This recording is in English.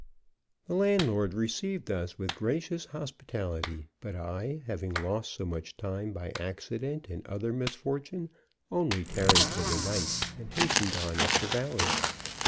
The landlord received us with gracious hospitality, but I, having lost so much time by accident and other misfortune, only tarried for the night, and hastened on up the valley.